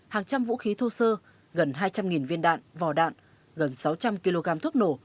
hàng trăm vũ khí thô sơ gần hai trăm linh viên đạn vò đạn gần sáu trăm linh kg thuốc nổ